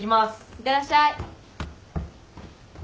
いってらっしゃい。